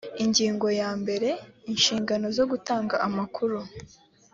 ingingo ya mbere inshingano zo gutanga amakuru